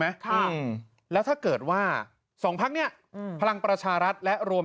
ค่ะแล้วถ้าเกิดว่าสองพักเนี้ยอืมพลังประชารัฐและรวม